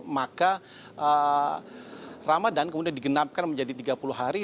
maka ramadan kemudian digenapkan menjadi tiga puluh hari